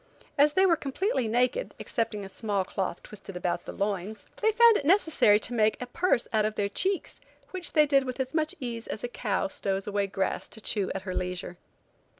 As they were completely naked, excepting a small cloth twisted about the loins, they found it necessary to make a purse out of their cheeks, which they did with as much ease as a cow stows away grass to chew at her leisure.